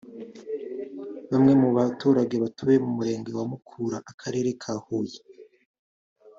bamwe mu baturage batuye Umurenge wa Mukura Akarere ka Huye